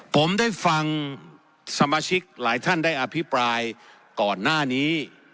ผมได้ฟังสมาชิกหลายท่านได้อภิปรายก่อนหน้านี้